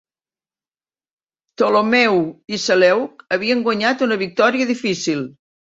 Ptolemeu i Seleuc havien guanyat una victòria difícil.